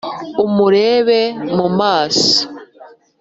umurebe mu maso